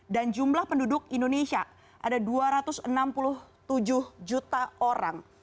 dan jumlah penduduk indonesia ada dua ratus enam puluh tujuh juta orang